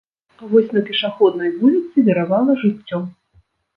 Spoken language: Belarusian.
А вось на пешаходнай вуліцы віравала жыццё.